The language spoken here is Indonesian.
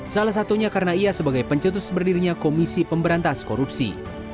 salah satunya karena ia sebagai pencetus berdirinya komisi pemberantas korupsi